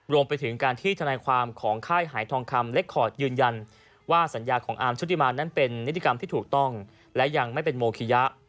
รวมไปถึงการที่ทนายความของค่ายหายทองคำเล็กคอร์ดยืนยันว่าสัญญาของอาร์มชุติมานั้นเป็นนิติกรรมที่ถูกต้องและยังไม่เป็นโมคิยะ